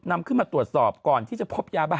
นำขึ้นมาตรวจสอบก่อนที่จะพบยาบ้า